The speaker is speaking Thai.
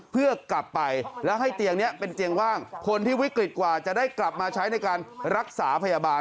เพื่อกลับไปแล้วให้เตียงนี้เป็นเตียงว่างคนที่วิกฤตกว่าจะได้กลับมาใช้ในการรักษาพยาบาล